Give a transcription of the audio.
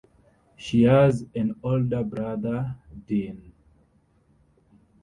She has an older brother, Dean.